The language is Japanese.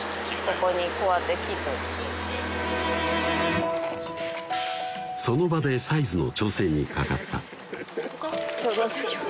ここにこうやってその場でサイズの調整にかかった共同作業